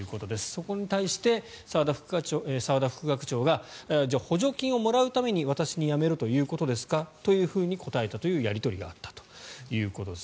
そこに対して澤田副学長がじゃあ、補助金をもらうために私に辞めろということですかというふうに応えたというやり取りがあったということです。